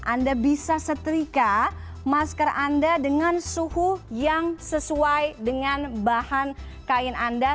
anda bisa setrika masker anda dengan suhu yang sesuai dengan bahan kain anda